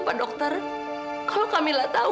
pak dokter kalau kamila tahu